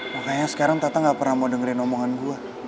makanya sekarang tata gak pernah mau dengerin omongan gue